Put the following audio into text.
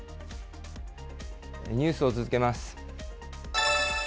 ニュースを続けます。